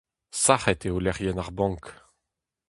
Sac'het eo lec'hienn ar bank.